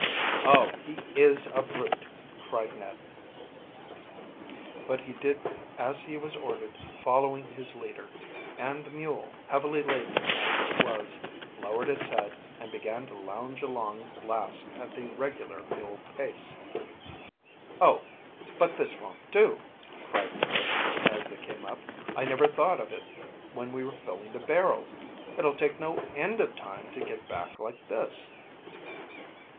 "Oh, he is a brute!" cried Ned, but he did as he was ordered, following his leader, and the mule, heavily laden as it was, lowered its head and began to lounge along last at the regular mule pace. "Oh, but this won't do," cried Chris, as they came up. "I never thought of it when we were filling the barrels. It'll take no end of time to get back like this."